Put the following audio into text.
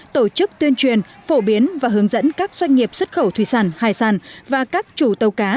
tổ chức tuyên truyền phổ biến và hướng dẫn các doanh nghiệp xuất khẩu thủy sản hải sản và các chủ tàu cá